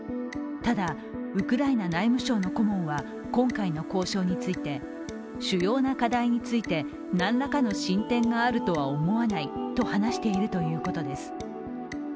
ただ、ウクライナ内務省の顧問は今回の交渉について、主要な課題について何らかの進展があるとは思わないと話しているということです。